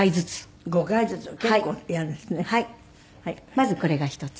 まずこれが一つ。